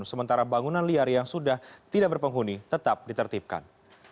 sementara bangunan liar yang sudah tidak berpenghuni tetap ditertibkan